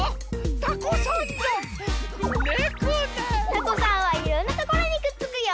タコさんはいろんなところにくっつくよ。